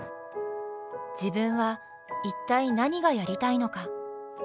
自分は一体何がやりたいのか。